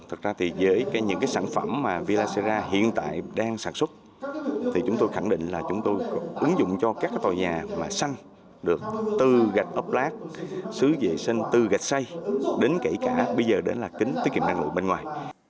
thật ra thì với những sản phẩm mà vila serra hiện tại đang sản xuất thì chúng tôi khẳng định là chúng tôi ứng dụng cho các tòa nhà mà xanh được từ gạch ốc lát sứ dệ xanh từ gạch xay đến kể cả bây giờ đến là kính tiết kiệm năng lượng bên ngoài